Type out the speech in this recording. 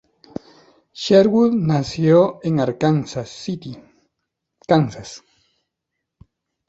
Sherwood nació en Arkansas City, Kansas.